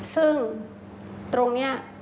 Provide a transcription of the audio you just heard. ซึ่งตรงนี้